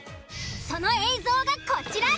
その映像がこちら。